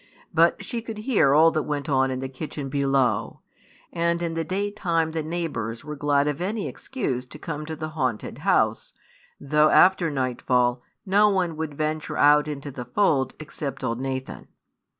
But she could hear all that went on in the kitchen below; and in the daytime the neighbours were glad of any excuse to come to the haunted house, though after nightfall no one would venture out into the fold except old Nathan.